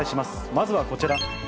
まずはこちら。